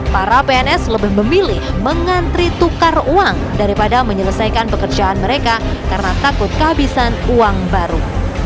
para pns lebih memilih mengantri tukar uang daripada menyelesaikan pekerjaan mereka karena takut kehabisan uang baru